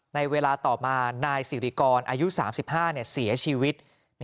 ในเวลาต่อมานายสิริกรอายุ๓๕เสียชีวิต